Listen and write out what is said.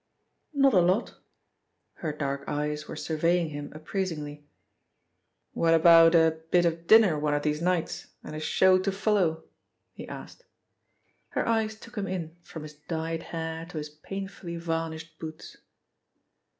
"Not a lot." Her dark eyes were surveying him appraisingly. "What about a bit of dinner one of these nights and a show to follow?" he asked. Her eyes took him in from his dyed hair to his painfully varnished boots.